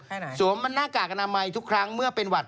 ไหนสวมหน้ากากอนามัยทุกครั้งเมื่อเป็นหวัด